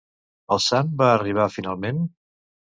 El Sant va arribar, finalment?